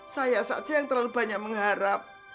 saya saja yang terlalu banyak mengharap